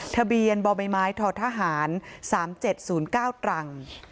ทะเบียนบอบไม้ค์ไม้ถทหาร๓๗๐๙ตรัง